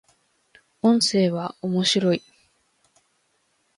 音声は、面白い